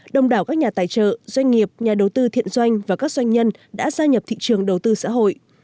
đồng đảo các nhà tài trợ doanh nghiệp nhà đầu tư thiện doanh và các doanh nhân đã gia nhập thị trường đầu tư xã hội